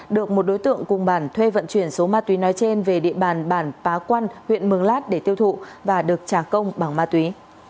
được một đối tượng cùng bản thuê vận chuyển số ma túy nói trên về địa bàn bản pá quăn huyện mường lát để tiêu thụ và được trả công bằng ma túy